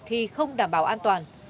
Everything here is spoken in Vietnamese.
khi không đảm bảo an toàn